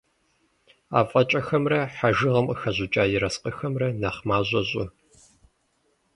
ӀэфӀыкӀэхэмрэ хьэжыгъэм къыхэщӀыкӀа ерыскъыхэмрэ нэхъ мащӀэ щӀы.